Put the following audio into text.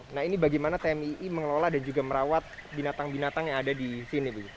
nah ini bagaimana tmii mengelola dan juga merawat binatang binatang yang ada di sini